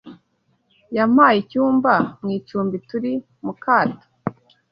Yampaye icyumba mu icumbi turi mukato